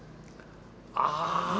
ああ！